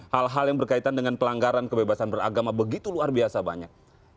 hal hal yang berkaitan dengan pelanggaran kebebasan beragama begitu luar biasa banyak